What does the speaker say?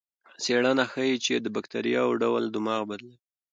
څېړنه ښيي چې د بکتریاوو ډول دماغ بدلوي.